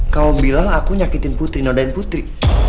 kau bilang aku nyakitin putri nodain putri